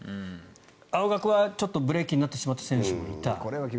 青学はブレーキになってしまった選手もいた。